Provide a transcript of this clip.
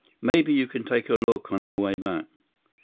"Maybe you can take a look on our way back."